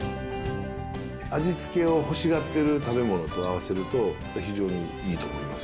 味付けを欲しがってる食べ物と合わせると、非常にいいと思います。